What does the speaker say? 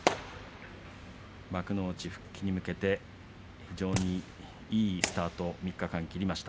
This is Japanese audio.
幕内復帰に向けて非常にいいスタートを切りました。